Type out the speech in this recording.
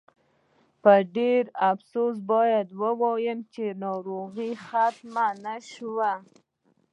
په ډېر افسوس باید ووایم چې ناروغي ختمه نه شوه.